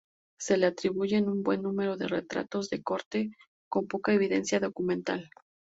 Se le atribuyen un buen número de retratos de corte, con poca evidencia documental.